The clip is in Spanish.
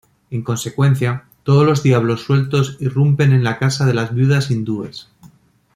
En consecuencia, todos los diablos sueltos irrumpen en la casa de las viudas hindúes.